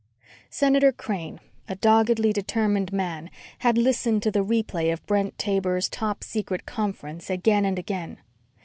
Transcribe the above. Senator Crane, a doggedly determined man, had listened to the replay of Brent Taber's top secret conference again and again.